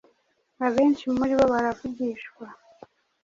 abenshi muri bo baravugishwa